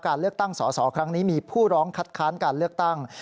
การเลือกตั้งสอสอครั้งนี้มีผู้ร้องคัดค้านการเลือกตั้ง